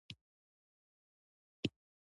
ښتې د افغانستان د سیاسي جغرافیه برخه ده.